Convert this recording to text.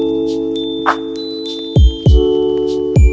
ini sih seperti caitanya